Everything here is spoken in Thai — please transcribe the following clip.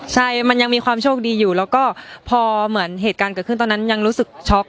ใช่มันยังมีความโชคดีอยู่แล้วก็พอเหมือนเหตุการณ์เกิดขึ้นตอนนั้นยังรู้สึกช็อก